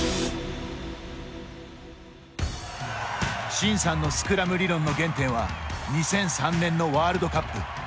慎さんのスクラム理論の原点は２００３年のワールドカップ。